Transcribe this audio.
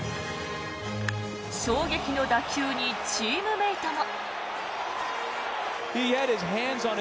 衝撃の打球にチームメートも。